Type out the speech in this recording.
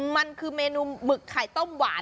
มันคือเมนูหมึกไข่ต้มหวาน